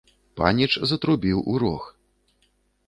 Паніч затрубіў у рог.